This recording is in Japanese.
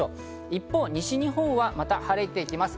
一方、西日本はまた晴れてきます。